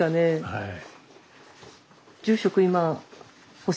はい。